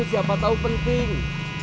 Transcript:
siapa tau penting